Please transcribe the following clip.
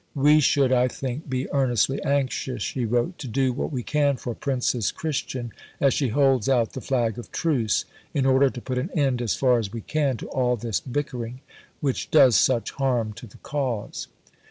"We should, I think, be earnestly anxious," she wrote, "to do what we can for Princess Christian as she holds out the flag of truce, in order to put an end as far as we can to all this bickering, which does such harm to the cause."